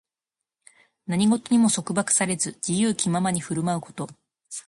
何事にも束縛されず、自由気ままに振る舞うこと。